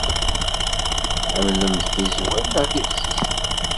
Tḥemmlemt tizwal neɣ tibexsisin?